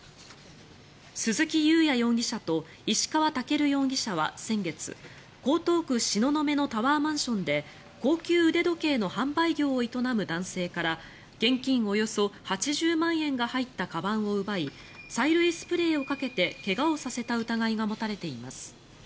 鈴木雄也容疑者と石川健容疑者は先月江東区東雲のタワーマンションで高級腕時計の販売業を営む男性から現金およそ８０万円が入ったかばんを奪い催涙スプレーをかけて怪我をさせた疑いが持たれています。